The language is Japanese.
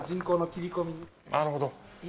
なるほど。